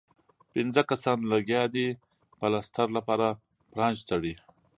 پنځۀ کسان لګيا دي پلستر لپاره پرانچ تړي